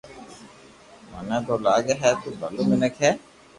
مني توو لاگي ھي تو ڀلو مينڪ ھي